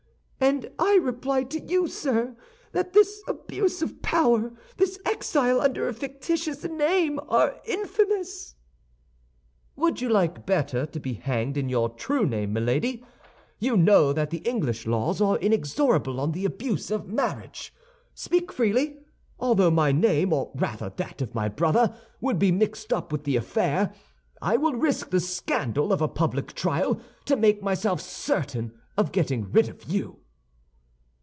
"And I reply to you, sir, that this abuse of power, this exile under a fictitious name, are infamous!" "Would you like better to be hanged in your true name, Milady? You know that the English laws are inexorable on the abuse of marriage. Speak freely. Although my name, or rather that of my brother, would be mixed up with the affair, I will risk the scandal of a public trial to make myself certain of getting rid of you."